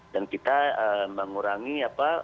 dan kita mengurangi apa